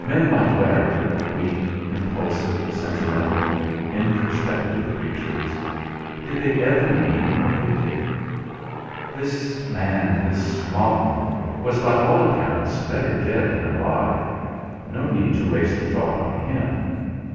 Men like Larry weak, impulsive, sentimental, introspective creatures did they ever mean what they did? This man, this Walenn, was, by all accounts, better dead than alive; no need to waste a thought on him!